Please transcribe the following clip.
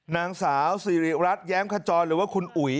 นางสาวสิริรัตนแย้มขจรหรือว่าคุณอุ๋ย